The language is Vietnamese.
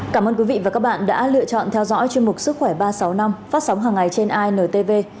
cảm ơn quý vị và các bạn đã lựa chọn theo dõi chương mục sức khỏe ba sáu năm phát sóng hàng ngày trên intv